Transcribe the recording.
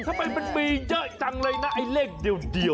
ทำไมมันมีเยอะจังเลยนะไอ้เลขเดียว